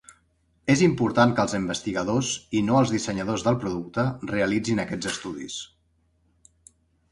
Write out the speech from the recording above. És important que els investigadors, i no els dissenyadors del producte, realitzin aquests estudis.